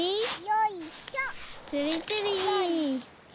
よいしょ。